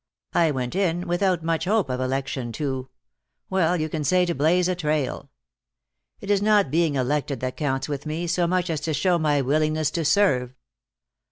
I went in, without much hope of election, to well, you can say to blaze a trail. It is not being elected that counts with me, so much as to show my willingness to serve."